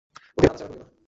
ওকে, নাড়াচাড়া করিও না।